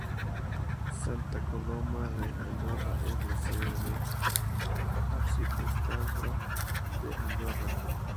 Santa Coloma de Andorra es la sede del Arciprestazgo de Andorra.